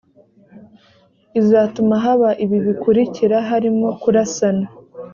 izatuma haba ibi bikurikira harimo kurasana